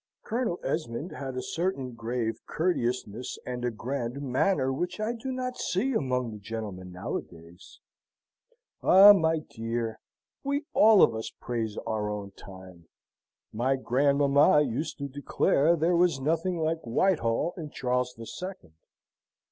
Colonel Esmond had a certain grave courteousness, and a grand manner, which I do not see among the gentlemen nowadays." "Eh, my dear, we all of us praise our own time! My grandmamma used to declare there was nothing like Whitehall and Charles the Second."